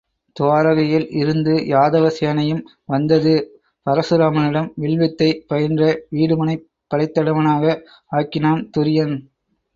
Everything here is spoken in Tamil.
துவாரகையில் இருந்து யாதவ சேனையும் வந்தது பரசுராமனிடம் வில்வித்தை பயின்ற வீடுமனைப் படைத்தலைவனாக ஆக்கினான் துரியன்.